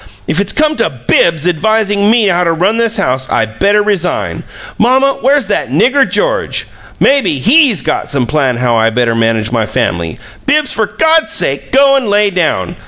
"If it's come to BIBBS advisin' me how to run this house I better resign. Mamma, where's that nigger George? Maybe HE'S got some plan how I better manage my family. Bibbs, for God's sake go and lay down!